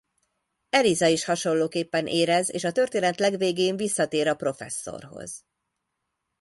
Eliza is hasonlóképpen érez és a történet legvégén visszatér a professzorhoz.